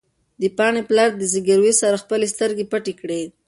د پاڼې پلار د زګېروي سره خپلې سترګې پټې کړې.